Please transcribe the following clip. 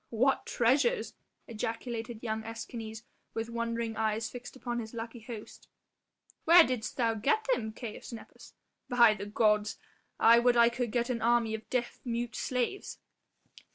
"What treasures," ejaculated young Escanes with wondering eyes fixed upon his lucky host; "where didst get them, Caius Nepos? By the gods, I would I could get an army of deaf mute slaves."